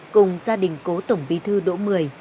cùng gia đình cố tổng bí thư đỗ mười